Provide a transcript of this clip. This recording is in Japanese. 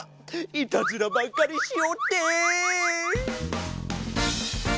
いたずらばっかりしおって！